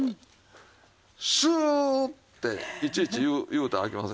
「シューッ！」っていちいち言うたらあきませんで。